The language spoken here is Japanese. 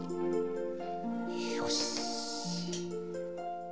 よし。